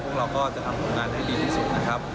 เราก็จะทำผลงานให้ดีที่สุดนะครับ